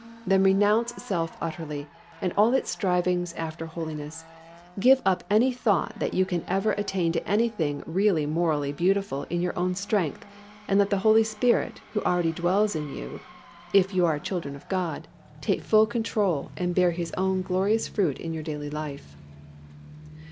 Then renounce self utterly and all its strivings after holiness, give up any thought that you can ever attain to anything really morally beautiful in your own strength and let the Holy Spirit, who already dwells in you (if you are a child of God) take full control and bear His own glorious fruit in your daily life.